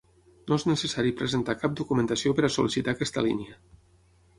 No és necessari presentar cap documentació per a sol·licitar aquesta línia.